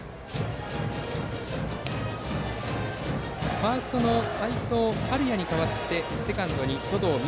ファーストの齋藤敏哉に代わってセカンドに登藤海優